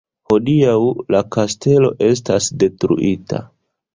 Hodiaŭ la kastelo estas detruita.